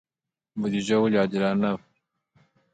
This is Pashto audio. بودجه ولې عادلانه وي؟